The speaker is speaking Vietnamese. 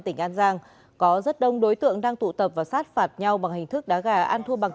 tỉnh an giang có rất đông đối tượng đang tụ tập và sát phạt nhau bằng hình thức đá gà ăn thua bằng